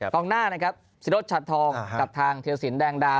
ตอนหน้านะครับสิดทธิ์ชาติทองกับทางเทียดศิลป์แดงดา